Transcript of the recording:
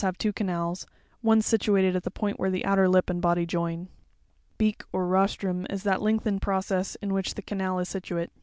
'have two canals, one situated at the point where the outer lip and body join. PARTS OF UNIVALVE SHELLS. 95 Beak or rostrum, is that lengthened process in which the canal is situate.